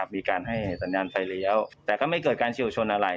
มีการให้สัญญาณไฟเลี้ยวแต่ก็ไม่เกิดการเฉียวชนอะไร